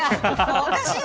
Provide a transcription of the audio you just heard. おかしいよ。